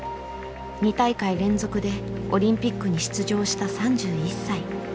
２大会連続でオリンピックに出場した３１歳。